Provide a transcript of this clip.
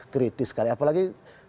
kritis sekali apalagi